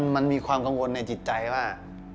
มันมีความกังวลในจิตใจว่า